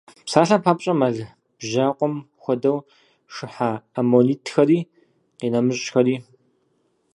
Псалъэм папщӏэ, мэл бжьакъуэм хуэдэу шыхьа аммонитхэри къинэмыщӏхэри.